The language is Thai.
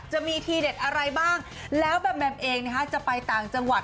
จะมีทีเด็ดอะไรบ้างแล้วแบมแมมเองนะคะจะไปต่างจังหวัด